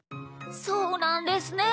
そうなんですね。